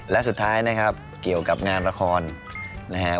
และสุดท้ายนะครับเกี่ยวกับงานละครนะครับ